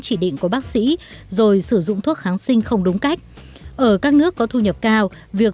chỉ định của bác sĩ rồi sử dụng thuốc kháng sinh không đúng cách ở các nước có thu nhập cao việc